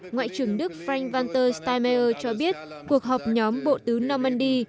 ngoại trưởng đức franz walter ecksteinmeier cho biết cuộc họp nhóm bộ tứ normandy